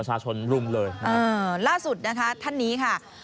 อ่าล่าสุดนะคะท่านนี้ค่ะ